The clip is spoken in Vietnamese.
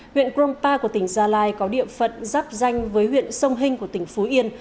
huyện kronpa của tỉnh gia lai có địa phận giáp danh với huyện sông hinh của tỉnh phú yên